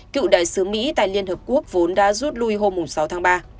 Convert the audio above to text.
cựu đại sứ mỹ tại liên hợp quốc vốn đã rút lui hôm sáu tháng ba